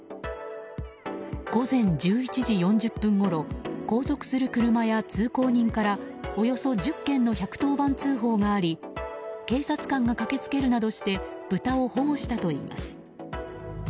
午前１１時４０分ごろ後続する車や通行人からおよそ１０件の１１０番通報があり警察官が駆け付けるなどして豚を保護したといいます。